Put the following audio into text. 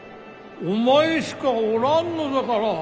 お前しかおらんのだから。